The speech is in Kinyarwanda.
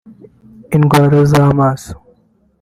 indwara z’amaso